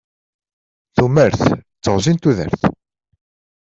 Tumert d teɣzi n tudert.